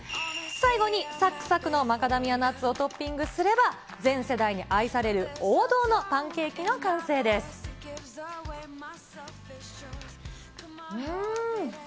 最後にさくさくのマカダミアナッツをトッピングすれば、全世代に愛される王道のパンケーキの完成です。